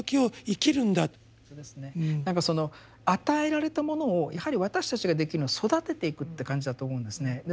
与えられたものをやはり私たちができるのは育てていくって感じだと思うんですね。